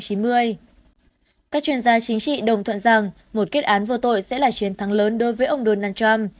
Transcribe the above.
các chuyên gia chính trị đồng thuận rằng một kết án vô tội sẽ là chiến thắng lớn đối với ông donald trump